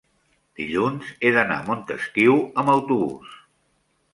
dilluns he d'anar a Montesquiu amb autobús.